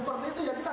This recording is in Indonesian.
kalau ada yang keluar